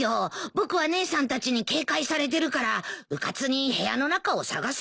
僕は姉さんたちに警戒されてるからうかつに部屋の中を捜せないんだよ。